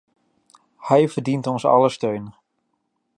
Hij verdient ons aller steun.